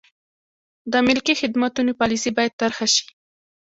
د ملکي خدمتونو پالیسي باید طرحه شي.